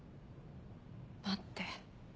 待って。